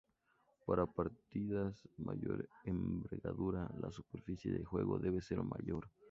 Para partidas de mayor envergadura la superficie de juego debe ser mayor.